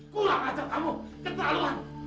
kurang aja kamu keterlaluan